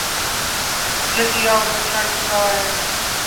جلدی آو؛ بچہ ڈوب رہا ہے